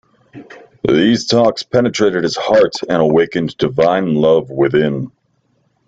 These talks penetrated his heart and awakened divine love within.